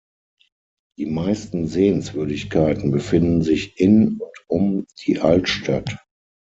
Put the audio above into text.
Die meisten Sehenswürdigkeiten befinden sich in und um die Altstadt.